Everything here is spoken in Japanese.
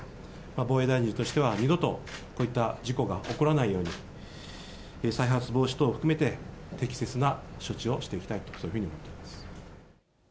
防衛大臣としては、二度とこういった事故が起こらないように、再発防止等を含めて、適切な処置をしていきたいと、そういうふうに思っております。